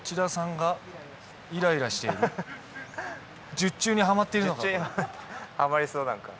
術中にハマっているのか？